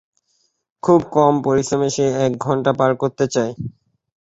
খুব কম পরিশ্রমে সে এক ঘণ্টা পার করতে চায়।